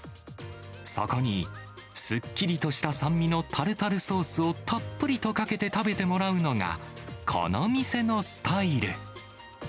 そこにすっきりとした酸味のタルタルソースをたっぷりとかけて食べてもらうのが、この店のスタイル。